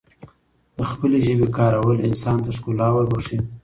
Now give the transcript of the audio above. دخپلې ژبې کارول انسان ته ښکلا وربښی